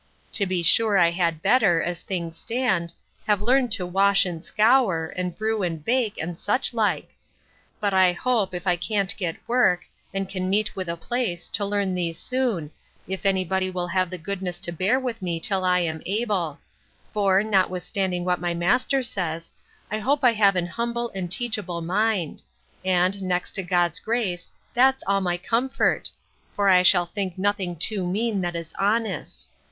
To be sure I had better, as things stand, have learned to wash and scour, and brew and bake, and such like. Put I hope, if I can't get work, and can meet with a place, to learn these soon, if any body will have the goodness to bear with me till I am able: For, notwithstanding what my master says, I hope I have an humble and teachable mind; and, next to God's grace, that's all my comfort: for I shall think nothing too mean that is honest.